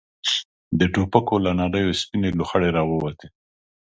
د ټوپکو له نليو سپينې لوخړې را ووتې.